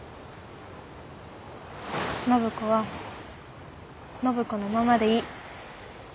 暢子は暢子のままでいい。